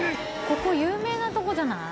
ここ有名なとこじゃない？